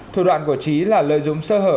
thủ đoạn của trí là lợi dụng sơ hở